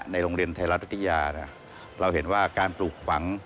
โรงเรียนไทยรัฐวิทยาเราเห็นว่าการปลูกฝัง